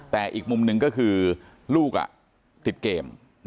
แต่อีกมุมหนึ่งก็คือลูกติดเกม